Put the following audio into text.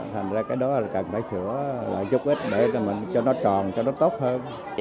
thành ra cái đó là cần phải sửa lại chút ít để cho nó tròn cho nó tốt hơn